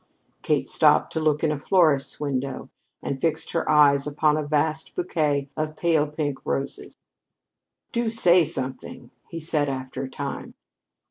Kate stopped to look in a florist's window and fixed her eyes upon a vast bouquet of pale pink roses. "Do say something," he said after a time.